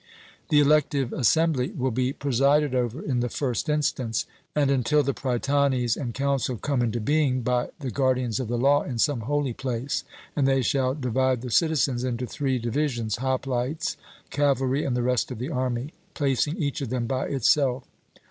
The elective assembly will be presided over in the first instance, and until the prytanes and council come into being, by the guardians of the law in some holy place; and they shall divide the citizens into three divisions, hoplites, cavalry, and the rest of the army placing each of them by itself.